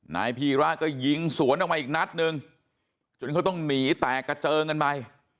นายพีระก็ยิงสวนออกมาอีกนัดนึงจนเขาต้องหนีแตกกระเจิงกันไป